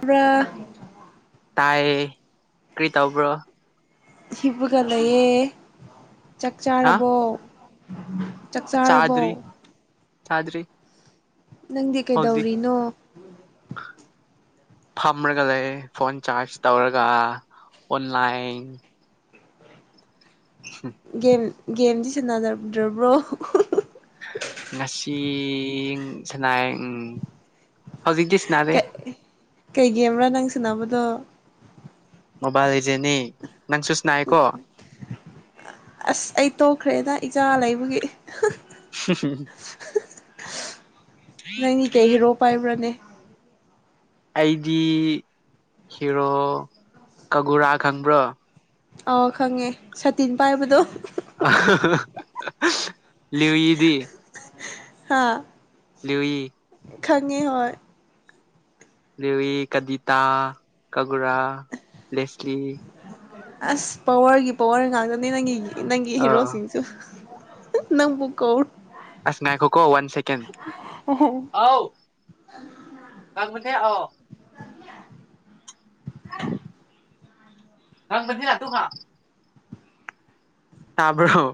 ꯄꯨ꯭ꯔꯥ꯫ ꯇꯥꯏꯌꯦ ꯀ꯭ꯔꯤ ꯇꯕ꯭ꯔꯣ꯫ ꯍꯤꯕ ꯂꯩꯌꯦ ꯫ ꯆꯥꯛ ꯍꯥ ꯆꯥꯔꯕꯣ ꯎ꯫ ꯆꯥꯛꯆꯥꯥꯔꯕꯣ꯫ ꯆꯗ꯭ꯔꯤ꯫ ꯅꯪꯗꯤ ꯀꯩꯗꯧꯔꯤꯅꯣ꯫ ꯐꯝꯔꯒ ꯂꯩ ꯐꯣꯟ ꯆꯥꯔꯖ ꯇꯧꯔꯒ ꯑꯣꯟꯂꯥꯏꯟ꯫ ꯒꯦꯝ ꯒꯦꯝꯗꯤ ꯁꯦꯟꯅꯔꯗ꯭ꯔꯕ꯭ꯔꯣ꯫ ꯉꯁꯤ ꯁꯅꯥꯏ ꯎꯝ꯫ ꯍꯧꯖꯤꯛꯗꯤ ꯁꯟꯅꯗꯦ꯫ ꯀꯩ ꯒꯦꯝꯔꯥ ꯅꯪꯅꯥ ꯁꯥꯟ ꯅꯕ꯫ ꯃꯣꯕꯥꯏꯜ ꯂꯤꯒꯦꯟꯗ ꯅꯤ꯫ ꯅꯪꯁꯨ ꯁꯅꯥꯏꯀꯣ꯫ ꯑꯁ ꯑꯩ ꯇꯣꯛꯈ꯭ꯔꯦꯗ ꯏꯆꯥ ꯂꯩꯕꯒꯤ꯫ ꯅꯪꯅꯤ ꯀꯩ ꯍꯤꯔꯣ ꯄꯥꯏꯕ꯭ꯔꯅꯦ꯫ ꯑꯩꯗꯤ ꯍꯤꯔꯣ ꯀꯒꯨꯔꯥ ꯈꯪꯕ꯭ꯔꯣ꯫ ꯑꯥ ꯈꯪꯉꯦ ꯁꯇꯤꯟ ꯄꯥꯏꯕꯗꯣ꯫ ꯂꯤꯋꯤ ꯗꯤ꯫ ꯍꯥꯥ꯫ ꯈꯪꯉꯦ ꯍꯣꯏ ꯫ ꯂꯤꯋꯤ ꯀꯗꯤꯇꯥ ꯀꯒꯨꯔꯥ ꯂꯦꯁꯂꯤ꯫ ꯑꯁ ꯄꯋꯥꯔꯒꯤ ꯄꯋꯥꯔ ꯉꯥꯛꯇꯅꯦ ꯅꯪꯒꯤ꯫ ꯅꯪꯒꯤ ꯑ ꯍꯤꯔꯣꯁꯤꯡꯁ‌ꯦ꯫ ꯅꯪꯕꯨ ꯀꯧ ꯑꯁꯥ ꯉꯥꯏꯈꯣꯀꯣ ꯋꯥꯟ ꯁꯦꯀꯦꯟ ꯑꯧ ꯑꯣ ꯑꯣ [unintelligible] ꯇꯥꯕ꯭ꯔꯣ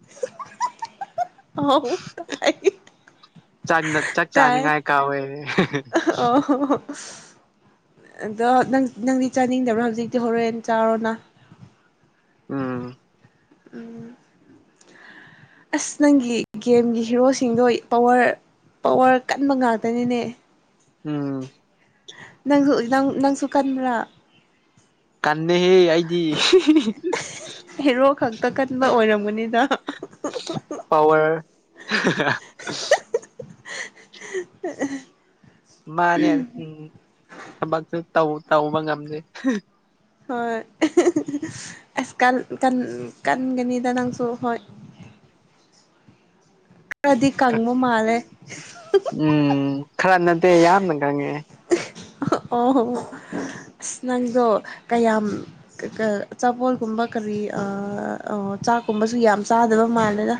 [unintelligible] ꯑꯣ ꯇꯥꯏ ꯆꯥꯛ ꯆꯥꯛ ꯇꯥꯏ ꯆꯥꯅꯤꯡꯉꯥꯏ ꯀꯥꯎꯋꯦ ꯑꯣ ꯑꯗꯣ ꯅꯪꯗꯤ ꯆꯥꯅꯤꯡꯗꯕ꯭ꯔꯥ ꯍꯧꯖꯤꯛꯇꯤ ꯍꯣꯔꯦꯟ ꯆꯥꯎꯥꯔꯣꯅ ꯎꯝ ꯎꯝ ꯑꯁ ꯅꯪꯒꯤ ꯒꯦꯝꯒꯤ ꯍꯤꯔꯣꯁꯤꯡꯗꯣ ꯄꯋꯥꯔ ꯄꯋꯥꯔ ꯀꯟꯕ ꯉꯥꯛꯇꯅꯤꯅꯦ ꯎꯝ ꯅꯪꯁꯨ ꯅꯪꯁꯨ ꯀꯟꯕ꯭ꯔꯥ ꯀꯟꯗꯦ ꯑꯩꯗꯤ ꯀꯛꯀꯟꯕ ꯑꯣꯏꯔꯝꯒꯅꯤ ꯄꯋꯥꯔ [unintelligible] ꯃꯥꯅꯦ ꯎꯝ ꯊꯕꯛꯁꯨ ꯇꯧ ꯇꯧꯕ ꯉꯝꯗꯦ [unintelligible] ꯍꯣꯏ ꯑꯁ ꯀꯟꯒꯅꯤꯗ ꯅꯪꯁꯨ ꯍꯣꯏ ꯈ꯭ꯔꯗꯤ ꯀꯪꯕ ꯃꯥꯂꯦ ꯎꯝ ꯈꯔ ꯅꯠꯇꯦ ꯌꯥꯝꯅ ꯈꯪꯉꯦ ꯑꯣ ꯑꯁ ꯅꯪꯗꯣ ꯀꯌꯥꯝ ꯆꯥꯄꯣꯠꯒꯨꯝꯕ ꯀꯔꯤ ꯆꯥꯛꯀꯨꯝꯕꯁꯨ ꯌꯥꯝ ꯆꯥꯗꯕ ꯃꯥꯜꯂꯦꯗ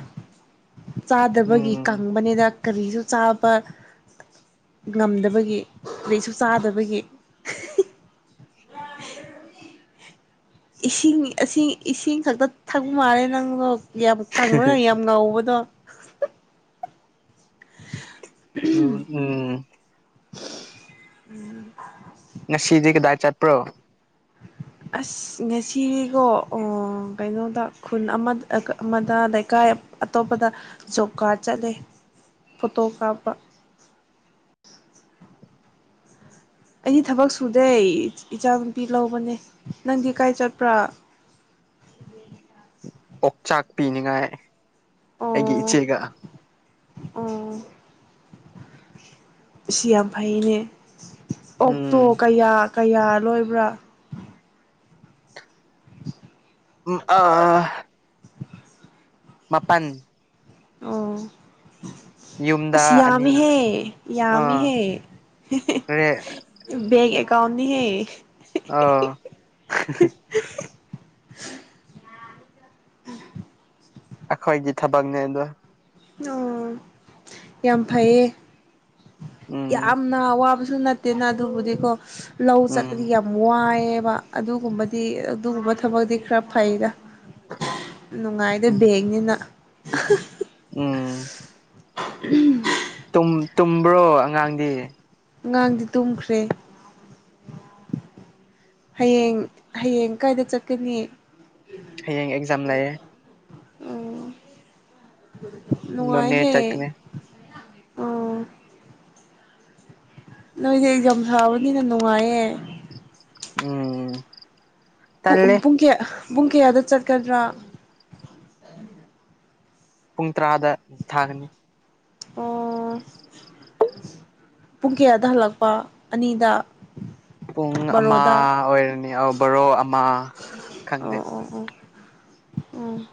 ꯆꯥꯗꯕꯒꯤ ꯎꯝ ꯀꯪꯕꯅꯤꯗ ꯀꯔꯤꯁꯨ ꯆꯥꯕ ꯉꯝꯗꯕꯒꯤ ꯀꯔꯤꯁꯨ ꯆꯥꯗꯕꯒꯤ ꯏꯁꯤꯡ ꯏꯁꯤꯡ ꯈꯛꯇ ꯊꯛꯄ ꯃꯥꯂꯦ ꯅꯪꯗꯣ ꯌꯥꯝ ꯀꯪꯉꯒ ꯌꯥꯝ ꯉꯧꯕꯗꯣ ꯎꯝ ꯎꯝ ꯎꯝ ꯉꯁꯤꯗꯤ ꯀꯗꯥꯏ ꯆꯠꯄ꯭ꯔꯣ ꯑꯁ ꯉꯁꯤꯗꯤꯀꯣ ꯀꯩꯅꯣꯗ ꯈꯨꯟ ꯑꯃ ꯑꯃꯗ ꯂꯩꯀꯥꯏ ꯑꯇꯣꯞꯄꯗ ꯖꯣꯕ ꯀꯥꯔꯗ ꯆꯠꯂꯦ ꯐꯣꯇꯣ ꯀꯥꯞꯄ ꯑꯩꯗꯤ ꯊꯕꯛ ꯁꯨꯗꯦ ꯏꯆꯥꯅꯨꯄꯤ ꯂꯧꯕꯅꯦ ꯅꯪꯗꯤ ꯀꯥꯏ ꯆꯠꯄ꯭ꯔꯥ ꯑꯣꯛꯆꯥꯛ ꯄꯤꯅꯤꯡꯉꯥꯏ ꯑꯩꯒꯤ ꯑꯣ ꯏꯆꯦꯒ ꯑꯣ ꯁꯤꯌꯥꯝꯐꯩꯅꯦ ꯑꯣꯛꯇꯣ ꯎꯝ ꯀꯌꯥ ꯀꯌꯥ ꯂꯣꯏꯕ꯭ꯔꯥ ꯎꯝ ꯑꯥ ꯃꯄꯥꯜ ꯑꯣ ꯌꯨꯝꯗ ꯑꯁ ꯑꯅꯤ ꯌꯥꯝꯃꯤꯍꯦ ꯑꯥ ꯌꯥꯃꯤꯍꯦ ꯔꯦ [unintelligible] ꯀꯥꯎꯅꯤ ꯍꯦ ꯑ [unintelligible] ꯎꯝ ꯑꯈꯣꯏꯒꯤ ꯊꯕꯛꯅꯦꯗꯣ ꯑꯣ ꯌꯥꯝ ꯐꯩꯌꯦ ꯎꯝ ꯌꯥꯝꯅ ꯑꯋꯥꯕ ꯁꯨ ꯅꯠꯇꯦꯅ ꯑꯗꯨꯕꯨꯗꯤꯀꯣ ꯂꯧ ꯎꯝ ꯆꯠꯄꯗꯤ ꯌꯥꯝ ꯋꯥꯏꯑꯦ ꯑꯗꯨꯒꯨꯝꯕꯗꯤ ꯑꯗꯨꯒꯨꯝꯕ ꯊꯕꯛꯇꯤ ꯈꯔ ꯐꯩꯗ ꯅꯨꯡꯉꯥꯏꯗ ꯎꯝ ꯕꯦꯡꯅꯤꯅ [unintelligible] ꯎꯝ ꯎꯝ ꯇꯨꯝꯕ꯭ꯔꯣ ꯑꯉꯥꯡꯗꯤ ꯑꯉꯥꯡꯗꯤ ꯇꯨꯝꯈ꯭ꯔꯦ ꯍꯌꯦꯡ ꯍꯌꯦꯡ ꯀꯥꯏꯗ ꯆꯠꯀꯅꯤ ꯍꯌꯦꯡ ꯑꯦꯛꯖꯥꯝ ꯂꯩꯌꯦ [unintelligible] ꯅꯣꯅꯦ ꯅꯨꯡꯉꯥꯏꯍꯦ ꯆꯠꯀꯅꯤ ꯑꯣ ꯅꯣꯏꯁꯦ ꯑꯦꯖꯝ ꯊꯥꯕꯅꯤꯅ ꯅꯨꯡꯉꯥꯏꯌꯦ ꯎꯝ ꯄꯨ ꯇꯜꯂꯦ ꯄꯨꯨꯡ ꯀꯌꯥ ꯄꯨꯡ ꯀꯌꯥꯗ ꯆꯠꯀꯗ꯭ꯔꯥ ꯄꯨꯡ ꯇꯔꯥꯗ ꯊꯥꯒꯅꯤ ꯑꯣ ꯄꯨꯡ ꯀꯌꯥꯗ ꯍꯜꯂꯛꯄ ꯑꯅꯤꯗ ꯄꯨꯡ ꯑꯃ ꯕꯥꯔꯣꯗ ꯑꯣꯏꯔꯅꯤ ꯑ ꯕꯣꯔꯣ ꯑꯃ ꯑꯣ ꯈꯪꯗꯦ ꯑꯣ ꯑꯣ ꯎꯝ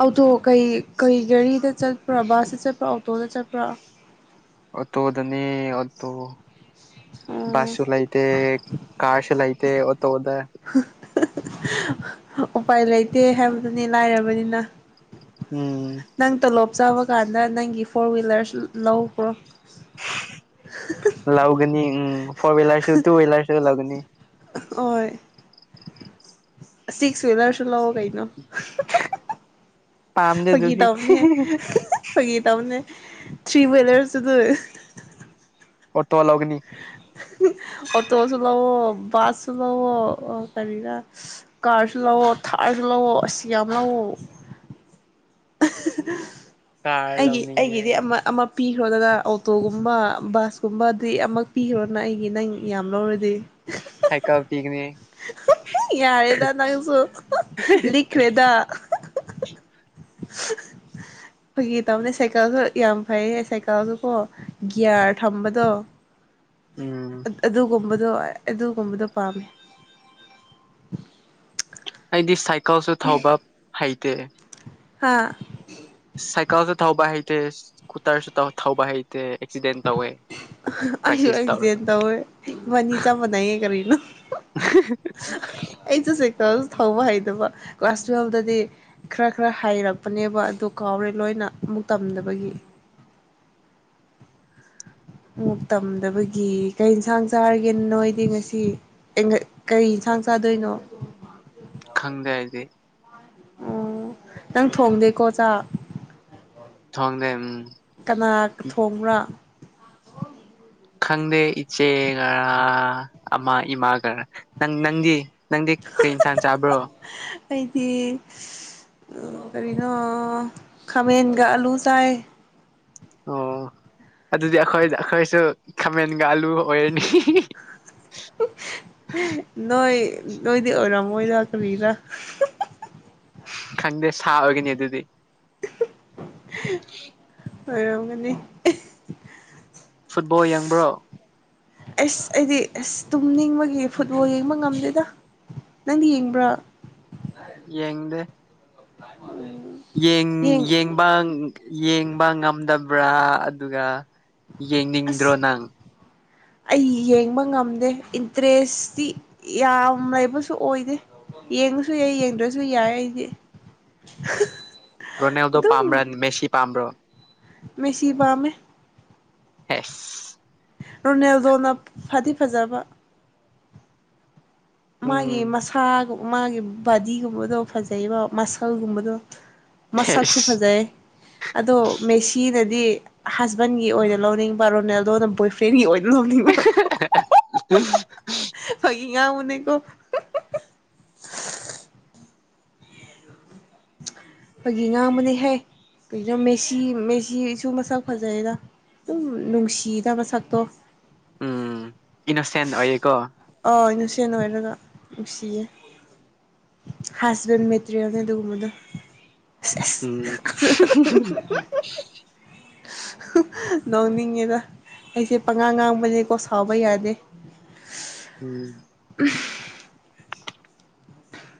ꯑꯣꯇꯣ ꯀꯩ ꯀꯩ ꯒꯥꯔꯤꯗ ꯆꯠꯄ꯭ꯔꯥ ꯕꯁꯇ ꯆꯠꯄ꯭ꯔꯥ ꯑꯣꯇꯣꯗ ꯆꯠꯄ꯭ꯔꯥ ꯑꯣꯇꯣ ꯗꯅꯦ ꯑꯣꯇꯣ ꯕꯁ ꯁꯨ ꯑꯣ ꯂꯩꯇꯦ ꯀꯥꯔꯁꯨ ꯂꯩꯇꯦ ꯇꯣꯗ ꯎꯄꯥꯏ ꯂꯩꯇꯦ ꯍꯥꯏꯕꯗꯨꯅꯤ ꯂꯥꯏꯔꯕꯅꯤꯅ ꯎꯝ ꯅꯪ ꯇꯣꯂꯣꯞ ꯆꯥꯕ ꯀꯥꯟꯗ ꯅꯪꯒꯤ ꯐꯣꯔ ꯋꯤꯂꯔꯁ ꯂꯧꯈ꯭ꯔꯣ ꯂꯎꯒꯅꯤ ꯎꯝ ꯐꯣꯋꯤꯂꯔꯁꯨꯅꯤ ꯇꯨ ꯋꯤꯂꯔꯁꯨ ꯂꯧꯒꯅꯤ ꯑꯣꯏ ꯑꯁꯤꯛꯁ ꯋꯤꯂꯔꯁꯨ ꯂꯧꯑꯣ ꯀꯩꯅꯣ ꯄꯥꯝꯗꯦ ꯑꯗꯨꯗꯤ ꯐꯒꯤꯇꯧꯕꯅꯦ ꯐꯒꯤꯇꯧꯕꯅꯦ ꯊ꯭ꯔꯤꯋꯤꯂꯔꯁꯨ ꯑꯗꯨ ꯑꯣꯇꯣ ꯂꯧꯒꯅꯤ ꯑꯣꯇꯣꯁꯨ ꯂꯧꯑꯣ ꯕꯁꯁꯨ ꯂꯧꯑꯣ ꯀꯔꯤꯔꯥ ꯀꯥꯔꯁꯨ ꯂꯧꯑꯣ ꯊꯥꯔꯁꯨ ꯂꯧꯑꯣ ꯑꯁ ꯌꯝ ꯂꯧꯑꯣ ꯀꯥꯔ [unintelligible] ꯑꯩꯒꯤ ꯂꯧꯅꯤꯡꯉꯦ ꯑꯩꯒꯤꯗꯤ ꯑꯃ ꯑꯃ ꯄꯤꯈ꯭ꯔꯣꯗꯅ ꯑꯣꯇꯣꯒꯨꯝꯕ ꯕꯁꯀꯨꯝꯕꯗꯤ ꯑꯃ ꯄꯤꯈ꯭ꯔꯣꯅ ꯑꯩꯒꯤ ꯅꯪ ꯌꯥꯝ ꯂꯧꯔꯗꯤ ꯁꯥꯏꯀꯜ ꯄꯤꯒꯅꯤ ꯌꯥꯔꯦꯗ ꯅꯪꯁꯨ ꯂꯤꯛꯈ꯭ꯔꯦꯗ ꯐꯒꯤ ꯇꯧꯕꯅꯦ ꯁꯥꯏꯀꯜꯁꯨ ꯌꯥꯝ ꯐꯩꯌꯦ ꯁꯥꯏꯀꯜꯁꯨꯀꯣ ꯒꯤꯌꯥꯔ ꯊꯝꯕꯗꯣ ꯎꯝ ꯑꯗꯨꯒꯨꯝꯕ ꯗꯣ ꯑꯗꯨꯒꯨꯝꯕꯗꯣ ꯄꯥꯝꯃꯦ ꯗꯤ ꯁꯥꯏ ꯀꯜꯁꯨ ꯊꯧꯕ ꯍꯩ ꯇꯦ ꯍꯥꯥ ꯁꯥꯏꯀꯜꯁꯨ ꯊꯧꯕ ꯍꯩꯇꯦ ꯁ꯭ꯀꯨꯇꯔꯁꯨ ꯊꯧ ꯊꯧꯕ ꯍꯩꯇꯦ ꯑꯦꯛꯁꯤꯗꯦꯟ ꯇꯧꯋꯦ ꯑꯩꯁꯨꯁꯨ ꯄ꯭ꯔꯦꯛꯇꯤꯁ ꯑꯦꯁꯤꯗꯦꯟ ꯇꯧꯔꯒ ꯇꯧꯋꯦ ꯃꯕꯅꯤ ꯆꯞ ꯃꯅꯩꯌꯦ ꯀꯔꯤꯅꯣ ꯑꯩꯁꯨ ꯇ ꯊꯧꯕ ꯍꯩꯗꯕ ꯀ꯭ꯂꯥꯁ ꯇꯨꯋꯦꯜꯕꯇꯗꯤ ꯈꯔ ꯈꯔ ꯍꯩꯔꯛꯄꯅꯦꯕ ꯑꯗꯨ ꯀꯥꯎꯔꯦ ꯂꯣꯏꯅ ꯑꯃꯨꯛ ꯇꯝꯗꯕꯒꯤ ꯑꯃꯨꯛ ꯇꯝꯗꯕꯒꯤ ꯀꯩ ꯌꯦꯟꯁꯥꯡ ꯆꯥꯔꯒꯦꯅ ꯅꯣꯏꯗꯤ ꯉꯁꯤ ꯀꯩ ꯌꯦꯟꯁꯥꯡ ꯆꯗꯣꯏꯅꯣ ꯈꯪꯗꯦ ꯍꯥꯏꯗꯤ ꯑꯣ ꯅꯪ ꯊꯣꯡꯗꯦꯀꯣ ꯆꯥꯛ ꯊꯣꯡꯗꯦ ꯎꯝ ꯀꯅꯥ ꯊꯣꯡꯕ꯭ꯔꯥ ꯍ ꯈꯪꯗꯦ ꯏꯆꯦꯒꯔ ꯑꯃꯥ ꯏꯃꯥꯒꯔ ꯅꯪ ꯅꯪꯗꯤ ꯅꯪꯗꯤ ꯀꯔꯤ ꯏꯟꯁꯥꯡ ꯆꯥꯕ꯭ꯔꯣ ꯑꯩꯗꯤ ꯀꯔꯤꯅꯣ ꯈꯥꯃꯦꯟꯒ ꯑꯥꯂꯨ ꯆꯥꯏ ꯑꯣ ꯑꯗꯨꯗꯤ ꯑꯩꯈꯣꯏ ꯑꯩꯈꯣꯏꯁꯨ ꯈꯥꯃꯦꯟ ꯂꯨ ꯑꯣꯏꯔꯅꯤ ꯅꯣꯏ ꯅꯣꯏꯗꯤ ꯑꯣꯏꯔꯝꯃꯣꯏꯗ ꯀꯅꯤꯔꯥ ꯈꯪꯗꯦ ꯁꯥꯕꯒꯅꯤ ꯑꯗꯨꯗꯤ [unintelligible] ꯑꯣꯏꯔꯝꯒꯅꯤ ꯕꯣ ꯌꯦꯡꯕ꯭ꯔꯣ ꯑꯁ ꯑꯩꯗꯤ ꯑꯁ ꯇꯨꯝꯅꯤꯡꯕꯒꯤ ꯐꯨꯠꯕꯣꯜ ꯌꯦꯡꯕ ꯉꯝꯗꯦꯗ ꯅꯪꯗꯤ ꯌꯦꯡꯕ꯭ꯔꯥ ꯌꯦꯡꯗꯦ ꯌꯦꯡ ꯌꯦꯡꯕ ꯌꯦꯡꯕ ꯉꯝꯗꯕ꯭ꯔꯥ ꯑꯗꯨꯒ ꯌꯦꯡꯅꯤꯡꯗ꯭ꯔꯣ ꯑꯁ ꯅꯪ ꯑꯩ ꯌꯦꯡꯕ ꯉꯝꯗꯦ ꯏꯟꯇꯔꯦꯁꯇꯤ ꯌꯥꯝ ꯂꯩꯕꯁꯨ ꯑꯣꯏꯗꯦ ꯌꯦꯡꯉꯁꯨ ꯌꯥꯏ ꯌꯦꯡꯗ꯭ꯔꯁꯨ ꯌꯥꯏ ꯑꯩꯗꯤ ꯔꯣꯅꯦꯜꯗꯣ ꯄꯥꯝꯕ꯭ꯔꯥ ꯑꯗꯨꯝ ꯃꯦꯁꯤ ꯄꯥꯝꯕ꯭ꯔꯣ ꯃꯦꯁꯤ ꯄꯥꯃꯦ ꯍꯦꯁ ꯔꯣꯅꯦꯜꯗꯣꯅ ꯐꯗꯤ ꯐꯖꯕ ꯃꯥꯒꯤ ꯎꯝ ꯃꯁꯥꯒꯨꯝ ꯃꯥꯒꯤ ꯕꯥꯗꯤꯒꯨꯝꯕꯗꯣ ꯐꯖꯩꯕ ꯃꯁꯜꯒꯨꯝꯕꯗꯣ ꯃꯁꯛꯁꯨ ꯍꯦꯁ ꯐꯖꯩ ꯑꯗꯣ ꯃꯦꯁꯤꯅ ꯗꯤ ꯍꯁꯕꯦꯟꯒꯤ ꯑꯣꯏꯅ ꯂꯧꯅꯤꯡꯕ ꯔꯣꯅꯦꯜꯗꯣꯅ ꯕꯣꯏ ꯐ꯭ꯔꯦꯟꯒꯤ ꯑꯣꯏꯅ ꯂꯧꯅꯤꯡꯕ ꯉꯥꯎꯃꯅꯦꯀꯣ ꯑꯩꯈꯣꯏꯒꯤ ꯉꯥꯡꯕꯅ ꯍꯩ ꯀꯩꯒꯤꯅꯣ ꯃꯦꯁꯤ ꯃꯦꯁꯤꯁꯨ ꯃꯁꯛ ꯐꯖꯩꯗ ꯗꯨꯝ ꯅꯨꯡꯁꯤꯗ ꯃꯁꯛꯇꯣ ꯎꯝ ꯏꯅꯣꯁꯦꯟ ꯑꯣꯏꯌꯦꯀꯣ ꯍꯣꯏ ꯏꯅꯣꯁꯦꯟ ꯑꯣꯏꯔꯒ ꯅꯨꯡꯁꯤꯌꯦ ꯍꯁꯕꯦꯟ ꯃꯦꯇꯔꯤꯌꯦꯜꯅꯤ ꯑꯗꯨꯒꯨꯝꯕꯗꯣ ꯑꯁ ꯎꯝ ꯑꯁ ꯅꯣꯛꯅꯤꯡꯉꯦꯗ ꯑꯩꯁꯦ ꯄꯉꯥꯡ ꯉꯥꯡꯕꯅꯦꯀꯣ ꯁꯥꯎꯕ ꯌꯥꯗꯦ ꯎꯝ [inaudible]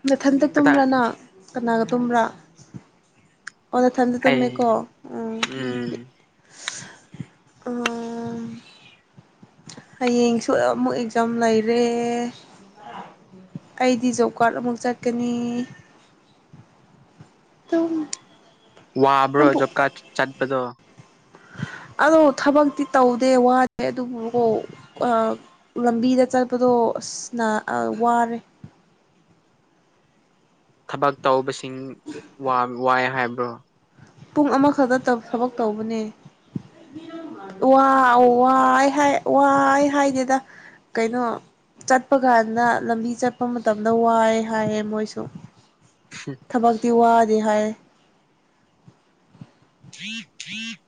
ꯅꯊꯟꯇ ꯀꯗꯥꯏ ꯇꯨꯝꯕꯔꯅꯪ ꯀꯅꯥꯒ ꯇꯨꯝꯕ꯭ꯔꯥ ꯑꯣꯅꯊꯟꯗ ꯇꯨꯝꯃꯦꯀꯣ ꯑꯩ ꯎꯝ ꯎꯝ ꯑꯣ ꯍꯌꯦꯡꯁꯨ ꯑꯃꯨꯛ ꯑꯦꯛꯖꯥꯝ ꯂꯩꯔꯦ ꯑꯩꯗꯤ ꯖꯣꯕ ꯀꯥꯔꯠ ꯑꯃꯨꯛ ꯆꯠꯀꯅꯤ ꯇꯨꯝ ꯋꯥꯕ꯭ꯔꯣ ꯖꯣꯞꯀꯥꯠ ꯆꯠ ꯑꯗꯣ ꯑꯗꯣ ꯊꯕꯛꯇꯤ ꯇꯧꯗꯦ ꯋꯥꯗꯦ ꯑꯗꯨꯕꯨꯀꯣ ꯑ ꯂꯝꯕꯤꯗ ꯆꯠꯄꯗꯣ ꯑꯁꯅ ꯑ ꯋꯥꯔꯦ ꯊꯕꯛ ꯇꯧꯕꯁ ꯏꯪ ꯋꯥ ꯋꯥꯏ ꯍꯥꯏꯕ ꯀ ꯄꯨꯡ ꯑꯃꯈꯛꯇ ꯊꯕꯛ ꯇꯧꯕꯅꯦ ꯋꯥ ꯋꯥꯏ ꯍꯥꯏ ꯋꯥꯏ ꯍꯥꯏꯗꯦꯗ ꯀꯩꯅꯣ ꯆꯠꯄ ꯀꯥꯟꯗ ꯂꯝꯕꯤ ꯆꯠꯄ ꯃꯇꯝꯗ ꯋꯥꯏ ꯍꯥꯏꯌꯦ ꯃꯣꯏꯁꯨ ꯊꯕꯛ ꯇꯤ ꯋꯥꯗꯦ ꯍꯥꯏꯌꯦ [unintelligible]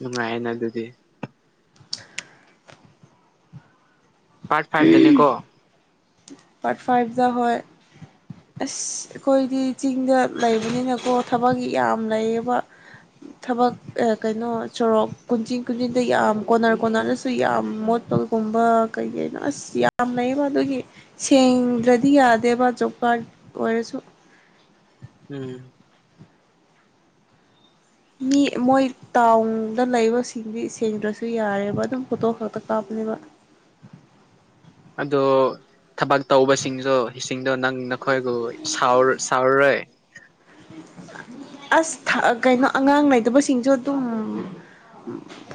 ꯅꯨꯡꯉꯥꯏꯌꯦꯅ ꯑꯗꯨꯗꯤ ꯄꯥꯔꯠ ꯇꯥꯏꯞꯗꯅꯦꯀꯣ ꯄꯥꯔꯠ ꯐꯥꯏꯚꯇ ꯍꯣꯏ ꯑꯁ ꯑꯩꯈꯣꯏꯗꯤ ꯆꯤꯡꯗ ꯂꯩꯕꯅꯤꯅꯀꯣ ꯊꯕꯛ ꯌꯥꯝ ꯂꯩꯌꯦꯕ ꯊꯕꯛ ꯑꯦ ꯀꯩꯅꯣ ꯁꯣꯔꯣꯛ ꯀꯨꯟꯆꯤꯟ ꯀꯨꯟꯆꯤꯗ ꯌꯥꯝ ꯀꯣꯅꯔ ꯀꯣꯟꯅꯔꯗꯁꯨ ꯌꯥꯝ ꯃꯣꯠꯄꯒꯨꯝꯕ ꯀꯩ ꯀꯩꯅꯣ ꯑꯁ ꯌꯥꯝ ꯂꯩꯌꯦꯕ ꯑꯗꯨꯒꯤ ꯁꯦꯡꯗ꯭ꯔꯗꯤ ꯌꯥꯗꯦꯕ ꯖꯣꯕ ꯀꯥꯔꯠ ꯑꯣꯏꯔꯁꯨ ꯎꯝ꯫ ꯃꯤ ꯃꯣꯏ ꯇꯥꯎꯟꯗ ꯂꯩꯕꯁꯤꯡꯗꯤ ꯁꯦꯡꯗ꯭ꯔꯁꯨ ꯌꯥꯔꯦꯕ ꯑꯗꯨꯝ ꯐꯣꯇꯣ ꯈꯛꯇ ꯀꯥꯞꯄꯅꯦꯕ꯫ ꯑꯗꯣ꯫ ꯊꯕꯛ ꯇꯧꯕꯁꯤꯡꯁꯨ꯫ ꯆꯤꯡꯗꯣ ꯅꯪ ꯅꯈꯣꯏꯒ ꯁꯥꯎꯔꯔꯣꯏ꯫ ꯑꯁ ꯀꯩꯅꯣ ꯑꯉꯥꯡ ꯂꯩꯇꯕꯁꯤꯡꯁꯨ ꯑꯗꯨꯝ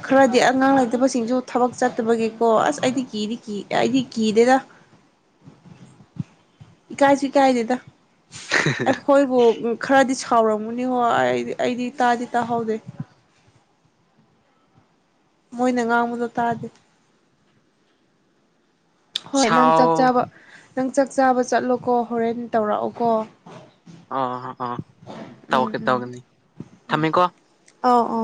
ꯈꯔꯗꯤ ꯑꯉꯥꯡ ꯂꯩꯇꯕꯁꯤꯡꯁꯨ ꯊꯕꯛ ꯆꯠꯇꯕꯒꯤꯀꯣ ꯑꯁ ꯑꯩꯗꯤ ꯀꯤꯗꯤ ꯀꯤ ꯑꯩꯗꯤ ꯀꯤꯗꯦꯗ꯫ ꯏ ꯀꯥꯏ ꯁꯨ ꯏꯀꯥꯏꯗꯦꯗ꯫ ꯑꯦ ꯑꯣꯈꯣꯏꯕꯨ ꯈꯔꯥꯗꯤ꯫ ꯁꯥꯎꯔꯝꯒꯅꯤ ꯀꯣ ꯑꯩꯗꯤ ꯑꯩꯗꯤ ꯇꯥꯗꯤ ꯇꯥꯍꯧꯗꯦ꯫ ꯃꯣꯏꯅ ꯉꯥꯡꯕꯗꯣ ꯇꯥꯗꯦ꯫ ꯍꯣꯏ ꯅꯪ ꯆꯥꯛ ꯁꯥꯎ ꯆꯥꯕ꫰꯫ ꯅꯪ ꯆꯥꯛ ꯆꯥꯕ ꯆꯠꯂꯣꯀꯣ ꯍꯣꯔꯦꯟ ꯇꯧꯔꯛꯑꯣꯀꯣ꯫ ꯑꯥꯥ ꯑꯥ ꯇꯧꯔꯀꯦ ꯇꯧꯒꯅꯤ ꯊꯝꯃꯦꯀꯣ꯫ ꯑꯥ ꯑꯥ꯫